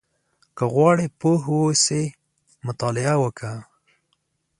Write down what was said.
• که غواړې پوه اوسې، مطالعه وکړه.